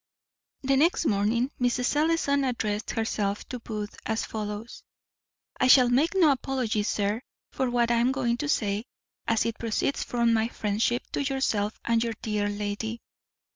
The next morning Mrs. Ellison addressed herself to Booth as follows: "I shall make no apology, sir, for what I am going to say, as it proceeds from my friendship to yourself and your dear lady.